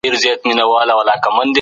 د عمر په زیاتېدو د ژړا لامل بدلېږي.